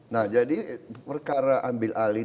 nah jadi perkara ambil alih